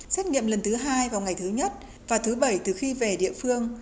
xét nghiệm lần thứ hai vào ngày thứ nhất và thứ bảy từ khi về địa phương